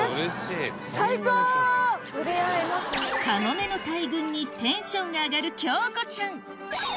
カモメの大群にテンションが上がる京子ちゃん